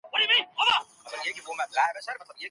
اصلي اوسئ.